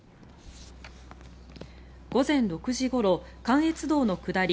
午前６時ごろ、関越道の下り